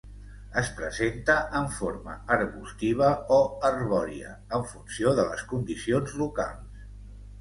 Es presenta en forma arbustiva o arbòria en funció de les condicions locals.